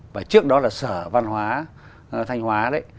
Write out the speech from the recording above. và trước đó là sở văn hóa thanh hóa đấy